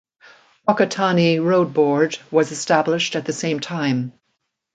Whakatane Road Board was established at the same time.